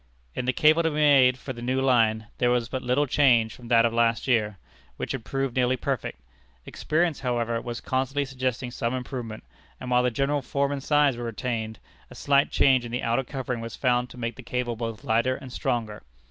In the cable to be made for the new line, there was but little change from that of the last year, which had proved nearly perfect. Experience, however, was constantly suggesting some improvement; and while the general form and size were retained, a slight change in the outer covering was found to make the cable both lighter and stronger.